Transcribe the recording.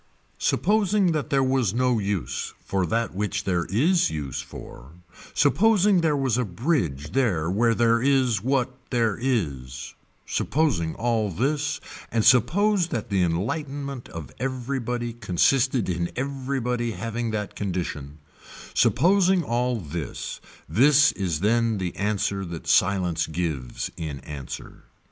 Supposing that there was no use for that which there is use for, supposing there was a bridge there where there is what there is, supposing all this and suppose that the enlightenment of everybody consisted in everybody having that condition, supposing all this, this is then the answer that silence gives in answer.